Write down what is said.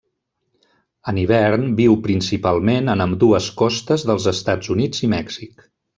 En hivern viu principalment en ambdues costes dels Estats Units i Mèxic.